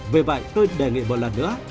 vì vậy tôi đề nghị một lần nữa